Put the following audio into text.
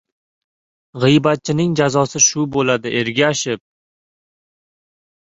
— G‘iybatchining jazosi shu bo‘ladi, Ergaship!